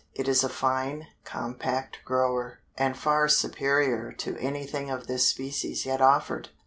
It is a fine, compact grower, and far superior to anything of this species yet offered.